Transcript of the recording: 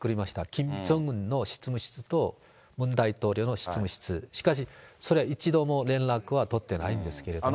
キム・ジョンウンの執務室とムン大統領の執務室、しかし、それは一度も連絡は取ってないんですけどね。